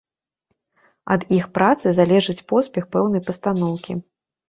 Ад іх працы залежыць поспех пэўнай пастаноўкі.